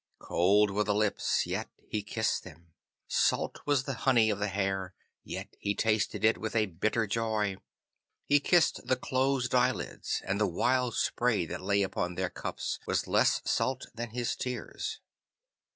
Cold were the lips, yet he kissed them. Salt was the honey of the hair, yet he tasted it with a bitter joy. He kissed the closed eyelids, and the wild spray that lay upon their cups was less salt than his tears.